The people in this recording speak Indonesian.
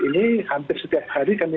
ini hampir setiap hari kami